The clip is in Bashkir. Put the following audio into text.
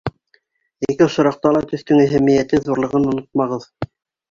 Ике осраҡта ла төҫтөң әһәмиәте ҙурлығын онотмағыҙ.